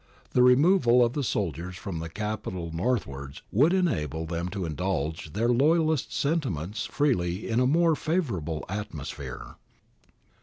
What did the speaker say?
The removal of the soldiers from the Capital northwards would enable them to indulge their loyalist sentiments freely in a more favourable atmosphere.